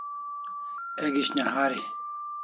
Ek ishnahari